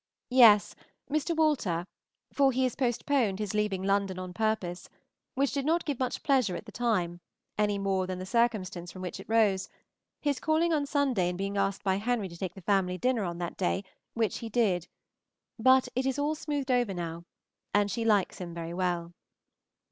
Yes, Mr. Walter for he postponed his leaving London on purpose which did not give much pleasure at the time, any more than the circumstance from which it rose, his calling on Sunday and being asked by Henry to take the family dinner on that day, which he did; but it is all smoothed over now, and she likes him very well.